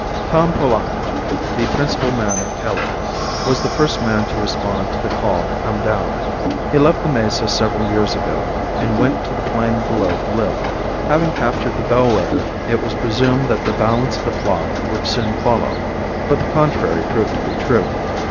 Tom Polaki, the principal man of Tewa, was the first man to respond to the call to come down. He left the mesa several years ago, and went to the plain below to live. Having captured the bell wether it was presumed that the balance of the flock would soon follow, but the contrary proved to be true.